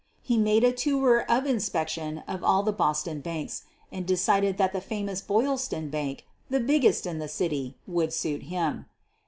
He made a tour of inspection of all the Boston banks, and decided that the famous Boylston Bank, the biggest in the city, would suit him.